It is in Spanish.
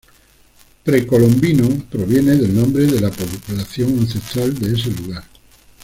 Precolombino: proviene del nombre de la población ancestral de ese lugar.